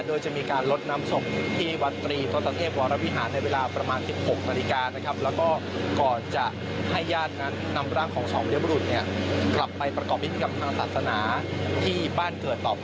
โดยจะมีการลดนำสงค์ที่วัตรีท